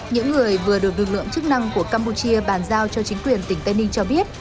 những người vừa được lực lượng chức năng của campuchia bàn giao cho chính quyền tỉnh tây ninh cho biết